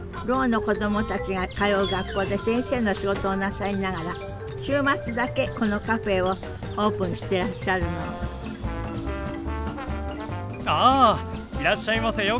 ろうの子供たちが通う学校で先生の仕事をなさりながら週末だけこのカフェをオープンしてらっしゃるのあいらっしゃいませ。